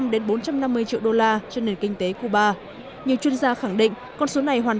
đến bốn trăm năm mươi triệu đô la cho nền kinh tế cuba nhiều chuyên gia khẳng định con số này hoàn